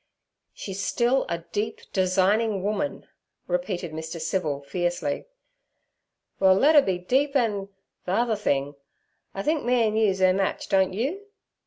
'She's still a deep, designing woman' repeated Mr. Civil fiercely. 'Well, let 'er be deep an'—ther other thing. I think me an' you's 'er match, don't you?'